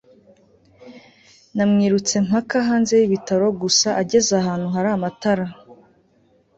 namwirutse mpaka hanze yibitaro gusa ageze ahantu hari amatara